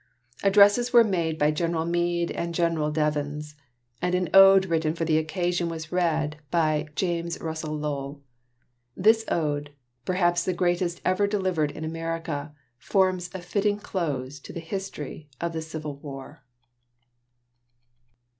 Addresses were made by General Meade and General Devens, and an ode written for the occasion was read by James Russell Lowell. This ode, perhaps the greatest ever delivered in America, forms a fitting close to the history of the Civil War.